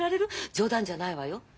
冗談じゃないわよ。